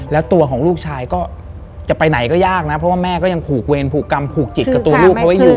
แล้วตัวของลูกชายก็จะไปไหนก็ยากนะเพราะว่าแม่ก็ยังผูกเวรผูกกรรมผูกจิตกับตัวลูกเขาไว้อยู่